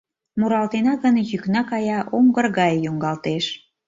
Муралтена гын, йӱкна кая, оҥгыр гае йоҥгалтеш.